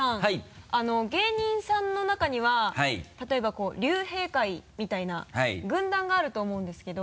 芸人さんの中には例えばこう「竜兵会」みたいな軍団があると思うんですけど。